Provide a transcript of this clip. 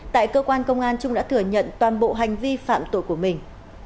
tại cơ quan công an trung đã thừa nhận toàn bộ hành vi phạm tội của mình